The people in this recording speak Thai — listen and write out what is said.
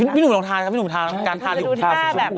เพื่อนหนูลองทาทางการทาลิปสติก